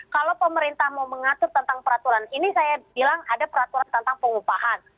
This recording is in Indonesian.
kalau pemerintah mau mengatur tentang peraturan ini saya bilang ada peraturan tentang pengupahan